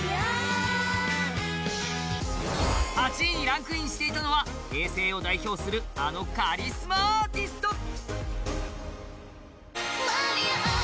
８位にランクインしていたのは平成を代表するあのカリスマアーティスト。